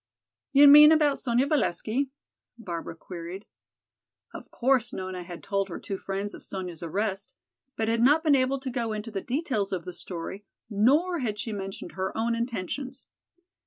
"You mean about Sonya Valesky?" Barbara queried. Of course Nona had told her two friends of Sonya's arrest, but had not been able to go into the details of the story, nor had she mentioned her own intentions.